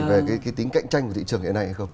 về cái tính cạnh tranh của thị trường hiện nay hay không